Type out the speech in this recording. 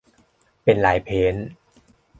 เป็นลายเพนต์